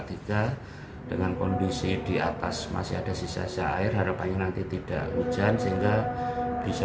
tiga dengan kondisi di atas masih ada sisa sisa air harapannya nanti tidak hujan sehingga bisa